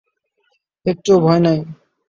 একটুও ভয় নাই।